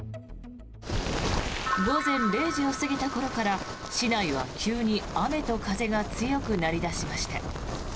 午前０時を過ぎた頃から市内は急に雨と風が強くなり出しました。